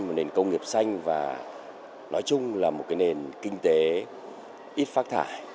một nền công nghiệp xanh và nói chung là một nền kinh tế ít phát thải